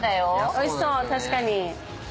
おいしそう確かに。